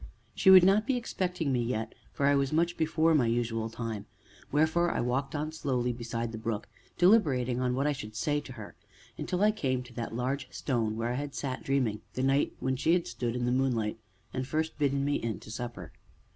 She would not be expecting me yet, for I was much before my usual time, wherefore I walked on slowly beside the brook, deliberating on what I should say to her, until I came to that large stone where I had sat dreaming the night when she had stood in the moonlight, and first bidden me in to supper.